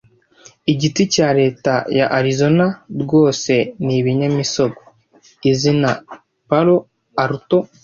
Igiti cya leta ya Arizona rwose ni ibinyamisogwe - izina Palo Alto